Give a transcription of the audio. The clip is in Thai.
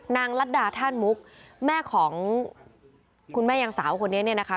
นางรัดดาท่านมุกแม่ของคุณแม่ยางสาวคนนี้นะคะ